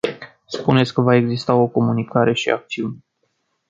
Spuneți că va exista o comunicare și acțiuni.